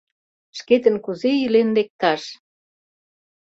Шкетын кузе илен лекташ?